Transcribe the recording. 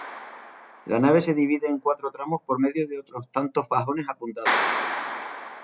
La nave se divide en cuatro tramos por medio de otros tantos fajones apuntados.